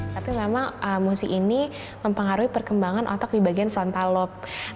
tapi memang musik ini mempengaruhi perkembangan otak di bagian frontal lobe